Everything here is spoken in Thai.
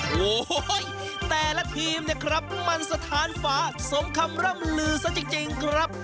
โอ้โหแต่ละทีมเนี่ยครับมันสถานฝาสมคำร่ำลือซะจริงครับ